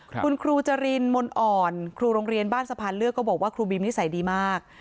คุณครูจรินมนต์อ่อนครูโรงเรียนบ้านสะพานเลือกก็บอกว่าครูบีมนิสัยดีมาก